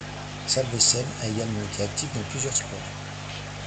Salvesen a également été actif dans plusieurs sports.